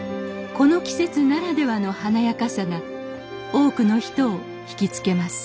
この季節ならではの華やかさが多くの人を引き付けます